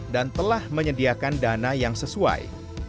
dan telah menyediakan dana yang sesuai